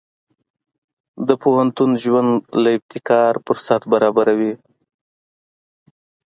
د پوهنتون ژوند د ابتکار فرصت برابروي.